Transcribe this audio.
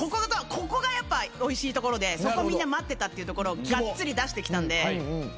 ここがやっぱおいしいところでそこをみんな待ってたっていうところをがっつり出してきたんで。